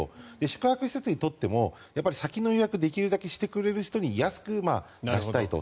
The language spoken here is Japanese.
宿泊施設にとっても先の予約をできるだけしてくれる人に安く出したいと。